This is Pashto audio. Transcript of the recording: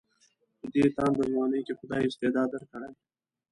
په دې تانده ځوانۍ کې خدای استعداد درکړی.